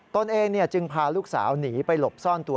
ตนเองจึงพาลูกสาวหนีไปหลบซ่อนตัว